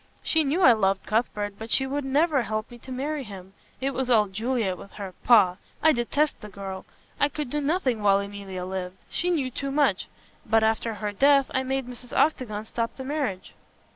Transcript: She knew I loved Cuthbert, but she would never help me to marry him. It was all Juliet with her pah! I detest the girl. I could do nothing while Emilia lived. She knew too much. But after her death I made Mrs. Octagon stop the marriage."